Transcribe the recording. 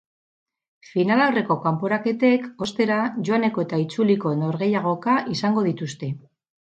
Finalaurreko kanporaketek, ostera, joaneko eta itzuliko norgehiagoka izango dituzte.